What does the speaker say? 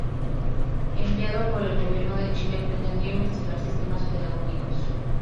Enviado por el gobierno de Chile, pretendía investigar sistemas pedagógicos.